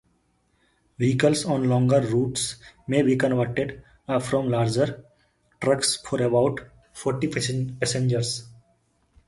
Vehicles on longer routes may be converted from larger trucks for about forty passengers.